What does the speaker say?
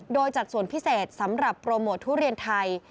โดยจัดส่วนพิเศษสำหรับโปรโมททุเรียนไทย